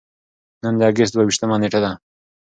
نن د اګست دوه ویشتمه نېټه ده.